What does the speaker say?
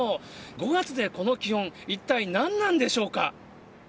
５月でこの気温、一体何なんでしょうか。